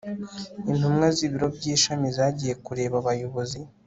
intumwa z'ibiro by'ishami zagiye kureba abayobozi